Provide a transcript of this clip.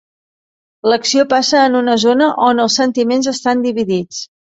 L'acció passa en una zona on els sentiments estan dividits.